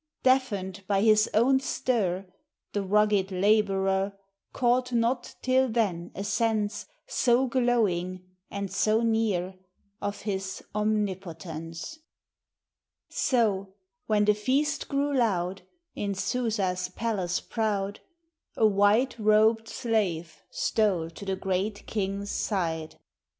481 Deafened by his own stir The rugged laborer Caught not till then a sense So glowing and so near Of his omnipoten So, when the feast grew loud In Susa's palace proud, A white robed slave stole to the Great King's side.